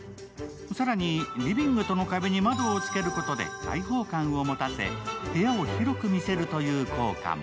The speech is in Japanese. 更に、リビングとの壁に窓をつけることで開放感を持たせ部屋を広く見せるという効果も。